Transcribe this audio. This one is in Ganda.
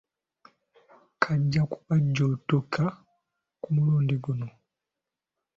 Kajja kubajjuutuka ku mulundi guno.